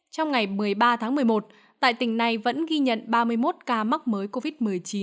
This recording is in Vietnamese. trong ngày một mươi ba tháng một mươi một tại tỉnh này vẫn ghi nhận ba mươi một ca mắc mới covid một mươi chín